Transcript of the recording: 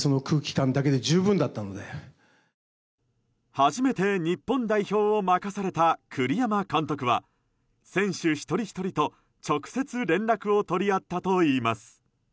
初めて日本代表を任された栗山監督は選手一人ひとりと、直接連絡を取り合ったといいます。